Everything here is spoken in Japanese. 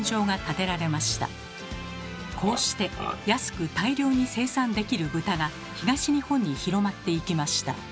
こうして安く大量に生産できる豚が東日本に広まっていきました。